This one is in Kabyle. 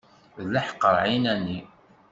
D leḥqer ɛinani.